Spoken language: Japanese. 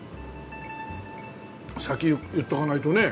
先言っとかないとね。